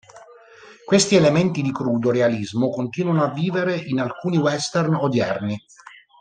Questi elementi di crudo realismo continuano a vivere in alcuni western odierni.